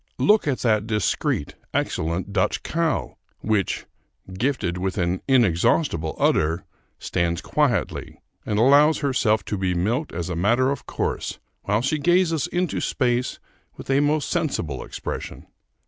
Look at that discreet, excellent Dutch cow, which, gifted with an inexhaustible udder, stands quietly and allows herself to be milked as a matter of course, while she gazes into space with a most sensible expression.